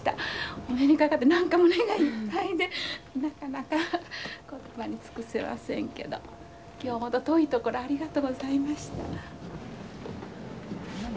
お目にかかって何か胸がいっぱいでなかなか言葉に尽くせませんけど今日は本当遠いところありがとうございました。